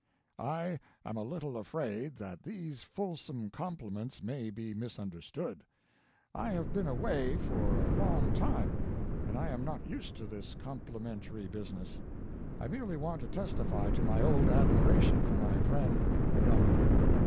] I am a little afraid that these fulsome compliments may be misunderstood; I have been away for a long time and I am not used to this complimentary business; I merely want to testify to my old admiration for my friend the Governor.